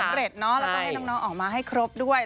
ไม่สำเร็จเนอะแล้วก็ให้น้องออกมาให้ครบด้วย